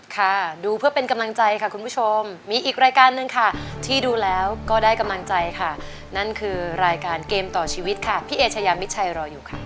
ค่ะดูเพื่อเป็นกำลังใจค่ะคุณผู้ชมมีอีกรายการหนึ่งค่ะที่ดูแล้วก็ได้กำลังใจค่ะนั่นคือรายการเกมต่อชีวิตค่ะพี่เอชายามิชัยรออยู่ค่ะ